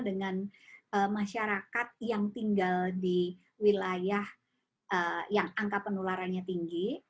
dengan masyarakat yang tinggal di wilayah yang angka penularannya tinggi